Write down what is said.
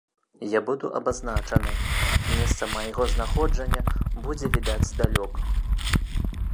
Я буду абазначаны, месца майго знаходжання будзе відаць здалёк.